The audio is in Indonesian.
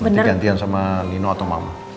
nanti gantian sama nino atau mama